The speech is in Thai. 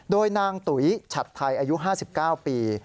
โดยนางตุ๋ยฉัดไทยอายุ๕๙ปี